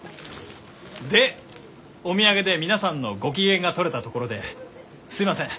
でお土産で皆さんのご機嫌が取れたところですいません